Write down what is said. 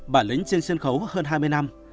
bà lính trên sân khấu hơn hai mươi năm